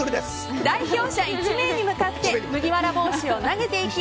代表者１名に向かって麦わら帽子を投げていき